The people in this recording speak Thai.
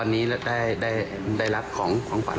ก็ดีใจค่ะที่เราได้เห็นเขามีความตั้งใจ